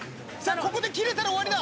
ここで切れたら終わりだ。